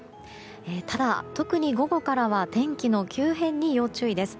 ただ、特に午後からは天気の急変に要注意です。